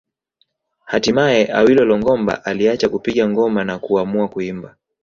Hatimaye Awilo Longomba aliacha kupiga ngoma na kuamua kuimba